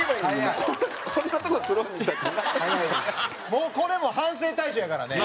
もうこれも反省大賞やからね。